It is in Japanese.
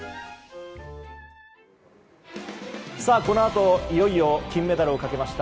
このあといよいよ金メダルをかけました